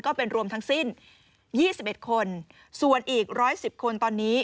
รวมเป็นรวมทั้งสิ้น๒๑คนส่วนอีก๑๑๐คนตอนนี้